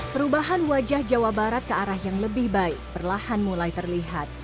perubahan wajah jawa barat ke arah yang lebih baik perlahan mulai terlihat